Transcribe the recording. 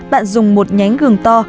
bạn dùng một nhánh gừng to